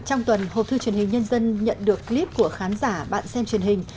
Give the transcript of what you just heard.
trong tuần hộp thư truyền hình nhân dân nhận được clip của khán giả bạn xem truyền hình